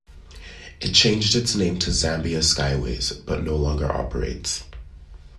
It changed its name to Zambia Skyways, but no longer operates.